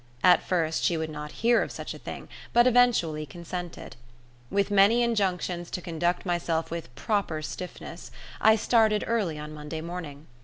At first she would not hear of such a thing, but eventually consented. With many injunctions to conduct myself with proper stiffness, I started early on Monday morning.